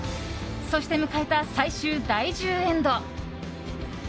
そして迎えた、最終第１０エンド。